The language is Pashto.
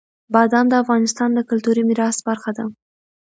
بادام د افغانستان د کلتوري میراث برخه ده.